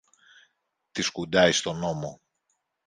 Τη σκουντάει στον ώμο